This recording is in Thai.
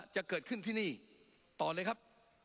จะเกิดขึ้นที่นี่ต่อเลยครับ